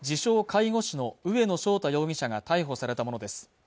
介護士の上野翔太容疑者が逮捕されたものです